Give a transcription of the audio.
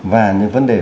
và những vấn đề